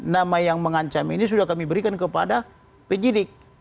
nama yang mengancam ini sudah kami berikan kepada penyidik